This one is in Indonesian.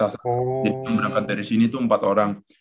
jadi yang berangkat dari sini tuh empat orang